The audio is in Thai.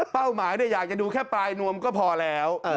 เป้าหมายเนี่ยอยากจะดูแค่ปลายนวมก็พอแล้ว